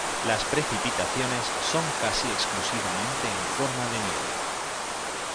Las precipitaciones son casi exclusivamente en forma de nieve.